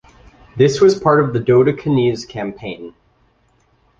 This was part of the Dodecanese Campaign.